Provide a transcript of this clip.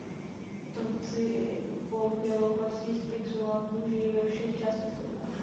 Potomci pobělohorských exulantů žijí ve všech částech světa.